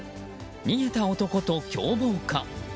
逃げた男と共謀か。